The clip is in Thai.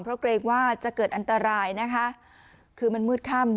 เพราะเกรงว่าจะเกิดอันตรายนะคะคือมันมืดค่ำ